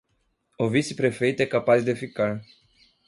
O vice-prefeito é capaz de ficar